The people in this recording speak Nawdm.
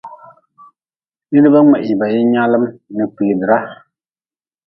Nidba mngehii ba yin nyaalm n kpiidra.